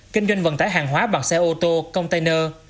kinh doanh vận tải hàng hóa bằng xe ô tô container